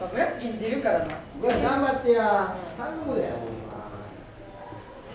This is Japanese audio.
劇頑張ってや。